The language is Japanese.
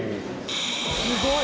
「すごい！」